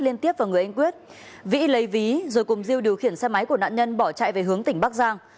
liên tiếp vào người anh quyết vĩ lấy ví rồi cùng diêu điều khiển xe máy của nạn nhân bỏ chạy về hướng tỉnh bắc giang